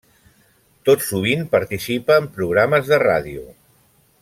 Tot sovint participa en programes de ràdio.